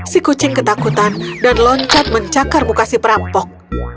si kucing ketakutan dan loncat mencakar muka si perampok